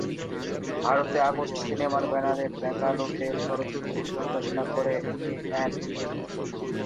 ভারতে আগস্ট সিনেমার ব্যানারে "ব্যাঙ্গালোর ডেজ" চলচ্চিত্রটি পরিবেশনা করে এ অ্যান্ড এ রিলিজ।